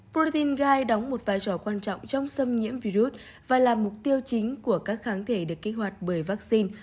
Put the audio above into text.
protein gai đóng một vai trò quan trọng trong xâm nhiễm virus và là mục tiêu chính của các kháng thể được kích hoạt bởi vaccine